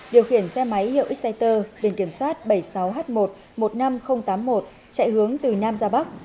điều khiển xe máy hiệu exciter biển kiểm soát bảy mươi sáu h một một mươi năm nghìn tám mươi một chạy hướng từ nam ra bắc